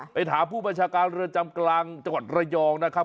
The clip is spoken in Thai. ถามผู้บัญชาการเรือนจำกลางจังหวัดระยองนะครับ